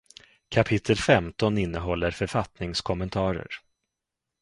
Kapitel femton innehåller författningskommentarer.